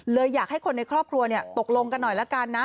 อยากให้คนในครอบครัวตกลงกันหน่อยละกันนะ